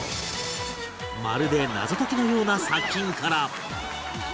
まるで謎解きのような作品から